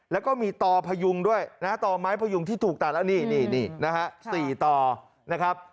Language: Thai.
แล้วก็มีต่อพยุงด้วยนะฮะต่อไม้พยุงที่ถูกตัดแล้วนี่นะฮะ๔ต่อนะครับ